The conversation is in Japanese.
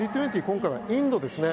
今回はインドですね。